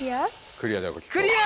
クリア？